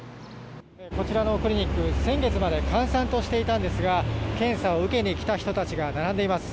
こちらのクリニック先月まで閑散としていたんですが検査を受けに来た人たちが並んでいます。